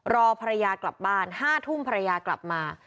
รอภรรยากลับบ้าน๕ทุ่มภรรยากลับมา